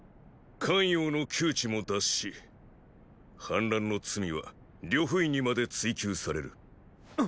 咸陽の窮地も脱し反乱の罪は呂不韋にまで追及される。！